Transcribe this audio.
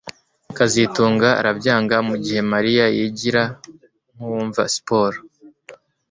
kazitunga arabyanga mugihe Mariya yigira nkuwumva siporo